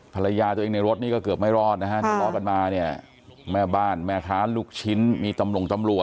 ภรรยาตัวเองในรถนี้ก็เกือบไม่รอดนะฮะ